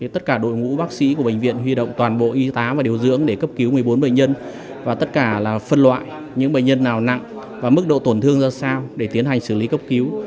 tất cả đội ngũ bác sĩ của bệnh viện huy động toàn bộ y tá và điều dưỡng để cấp cứu một mươi bốn bệnh nhân và tất cả phân loại những bệnh nhân nào nặng và mức độ tổn thương ra sao để tiến hành xử lý cấp cứu